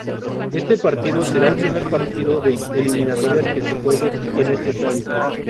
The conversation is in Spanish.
Este partido será el primer partido de eliminatorias que se juegue en este estadio.